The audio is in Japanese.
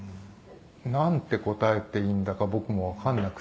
「なんて答えていいんだか僕もわからなくて」